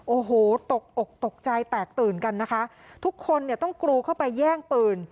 โอ้โหตกอกตกใจแตกตื่นกันนะคะทุกคนเนี่ยต้องกรูเข้าไปแย่งปืน